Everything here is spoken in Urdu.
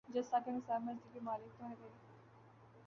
جج ثاقب نثار مرضی کے مالک تو تھے۔